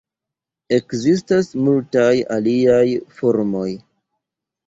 Ekzistas multaj aliaj formoj.